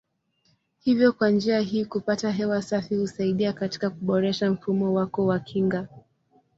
Hivyo kwa njia hii kupata hewa safi husaidia katika kuboresha mfumo wako wa kinga.